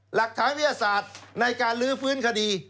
หลักฐานวิทยาศาสตร์ในการลื้อฟื้นคดี